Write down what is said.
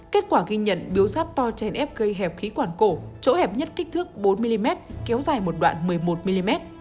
kết quả ghi nhận biếu giáp to trên ép gây hẹp khí quản cổ chỗ hẹp nhất kích thước bốn mm kéo dài một đoạn một mươi một mm